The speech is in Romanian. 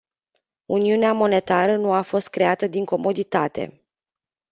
Uniunea monetară nu a fost creată din comoditate.